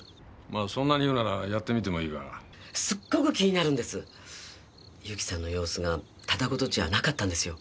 まぁそんなに言うならやってみてもいいがすっごく気になるんです友紀さんの様子がただ事じゃなかったんですよ